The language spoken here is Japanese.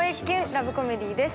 ラブコメディです